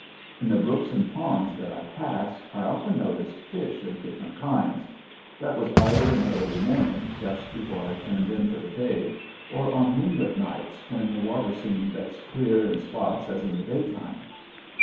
In the brooks and ponds that I passed I often noticed fish of different kinds. That was either in the early morning, just before I turned in for the day, or on moonlight nights when the water seemed as clear in spots as in the daytime.